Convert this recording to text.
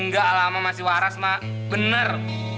gak lama masih waras ma benar